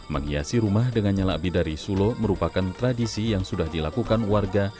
menghiasi rumah dengan nyala abi dari sulo merupakan tradisi yang sudah dilakukan warga